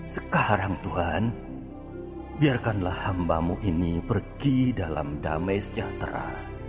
sekarang tuhan biarkanlah hambamu ini pergi dalam damai sejahtera